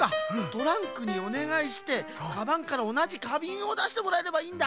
トランクにおねがいしてカバンからおなじかびんをだしてもらえればいいんだ！